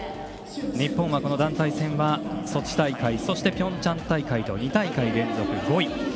日本は団体戦はソチ大会そしてピョンチャン大会と２大会連続、５位。